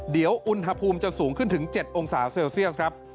เดี๋ยวอุณหภูมิจะสูงขึ้นถึง๗องศาเซลเซียสครับ